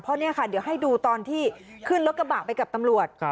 เพราะเนี่ยค่ะเดี๋ยวให้ดูตอนที่ขึ้นรถกระบะไปกับตำรวจ